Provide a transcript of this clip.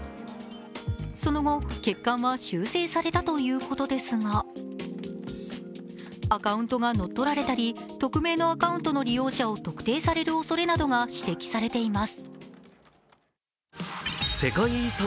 その後、欠陥は修正されたということですがアカウントが乗っ取られたり匿名のアカウントの利用者を特定されるおそれなどが指摘されています。